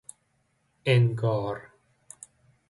انگار